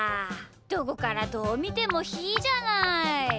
どこからどうみてもひーじゃない。